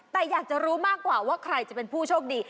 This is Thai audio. แต่อยากจะรู้มากกว่าว่าใครจะเป็นผู้โชคดี